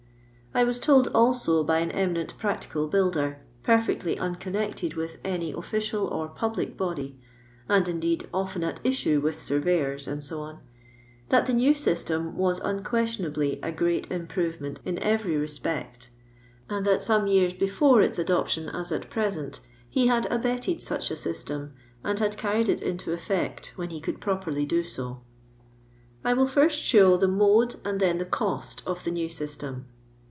I w;is tuld also by an eminent practical builder, perfectly uncounected with any official or public body, and, indeed, often at issue with surveyors, «SlC., that the new system was unquestionably a great improvement iu every respect, and that some years before its adoption as at present he had abetted such a system, and had carried it into eifect when he could properly do so. I will timt show the mode and then the cost of the new system.